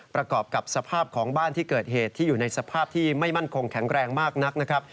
ประกอบกับสภาพของบ้านที่เกิดเหตุที่อยู่ในสภาพที่ไม่มั่นคงแข็งแรงมากนักนะครับ